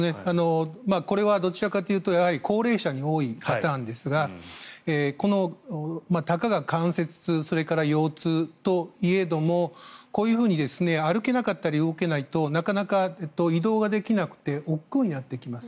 これはどちらかというと高齢者に多いパターンですがたかが関節痛、腰痛といえどもこういうふうに歩けなかったり動けないとなかなか移動ができなくておっくうになってきます。